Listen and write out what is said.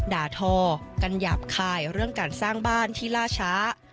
ด่าทอกันหยาบคายเรื่องการสร้างบ้านที่ล่าช้า